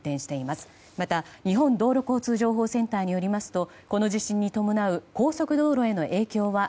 また日本道路交通情報センターによりますとこの地震に伴う高速道路への影響は